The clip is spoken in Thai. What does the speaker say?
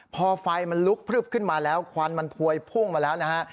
พอไฟมันลุกพลึบขึ้นมาแล้วควันมันพวยพุ่งมาแล้วนะฮะ